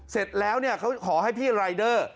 เสร็จแล้วเขาขอให้พี่รายเดอร์